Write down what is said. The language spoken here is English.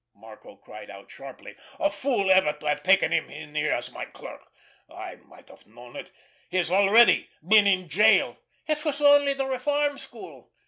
Marco cried out sharply. "A fool, ever to have taken him in here as my clerk! I might have known! He has already been in jail!" "It was only the reform school."